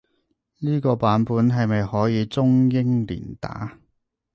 呢個版本係咪可以中英連打？